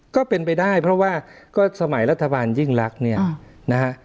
ก็เป็นไปได้เพราะว่าก็สมัยรัฐบาลยิ่งรักเนี่ยนะฮะ